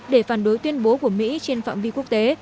để phản đối tuyên bố của mỹ trên phạm vi quốc tế